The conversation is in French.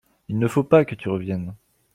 Il ne faut pas que tu reviennes.